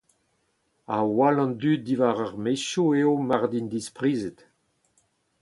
A-wall an dud diwar ar maezioù eo mard int disprizet.